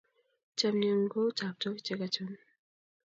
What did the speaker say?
Chamyengun ko u taptok che ka chun